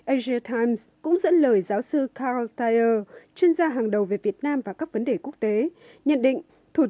asia times cũng dẫn lời giáo sư carl thayer chuyên gia hàng đầu về việt nam và các vấn đề quốc tế nhận định